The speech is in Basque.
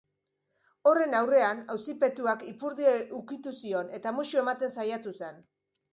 Horren aurrean, auzipetuak ipurdia ukitu zion eta musu ematen saiatu zen.